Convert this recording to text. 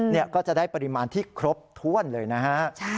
นี่ก็จะได้ปริมาณที่ครบถ้วนเลยนะฮะ